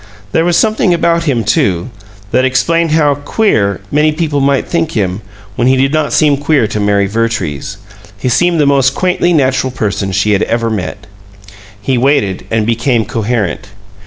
There was something about him, too, that explained how "queer" many people might think him; but he did not seem "queer" to Mary Vertrees; he seemed the most quaintly natural person she had ever met. He waited, and became coherent.